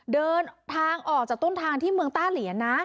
เดินทางออกจากต้นทางที่เมืองต้าเหลียนนะ